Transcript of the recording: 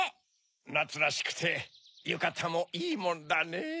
なつらしくてゆかたもいいもんだねぇ。